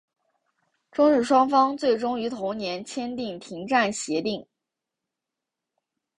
中日双方最终于同年签订停战协定。